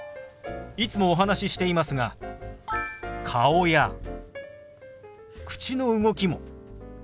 いつもお話ししていますが顔や口の動きも手話の一部ですよ。